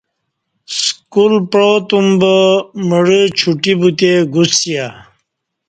سکول پاع توم با مڑہ چوٹی بوتہ گوسیا